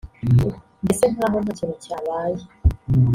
mbese nkaho nta kintu cyabaye